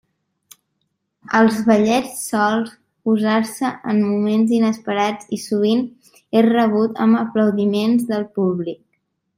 Als ballets sol usar-se en moments inesperats i sovint és rebut amb aplaudiments del públic.